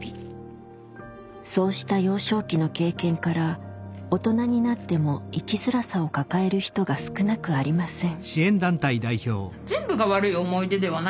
そうした幼少期の経験から大人になっても生きづらさを抱える人が少なくありません。